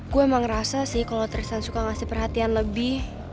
gue emang ngerasa sih kalau trisan suka ngasih perhatian lebih